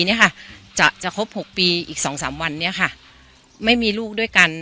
เนี่ยค่ะจะจะหักปีอีกซึ่งวันเนี่ยค่ะไม่มีลูกด้วย